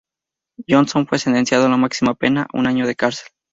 Johnson fue sentenciado a la máxima pena, un año de cárcel.